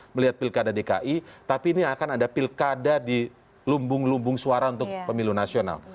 melihat pilkada dki tapi ini akan ada pilkada di lumbung lumbung suara untuk pemilu nasional